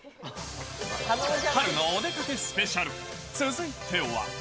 春のお出かけスペシャル、続いては。